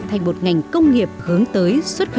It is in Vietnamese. thành một ngành công nghiệp hướng tới xuất khẩu